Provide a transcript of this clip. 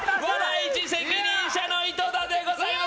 市責任者の井戸田でございます！